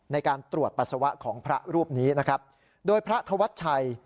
ในการตรวจปัสสาวะของพระรูปนี้นะครับโดยพระธวัชชัย